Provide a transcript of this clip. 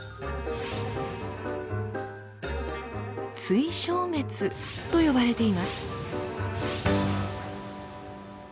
「対消滅」と呼ばれています。